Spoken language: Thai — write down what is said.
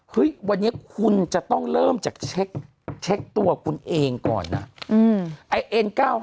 วันนี้คุณจะต้องเริ่มจากเช็คตัวคุณเองก่อนนะ